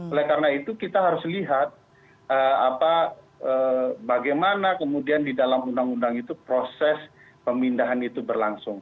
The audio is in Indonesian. oleh karena itu kita harus lihat bagaimana kemudian di dalam undang undang itu proses pemindahan itu berlangsung